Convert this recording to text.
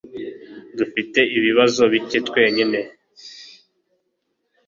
Dufite ibibazo bike twenyine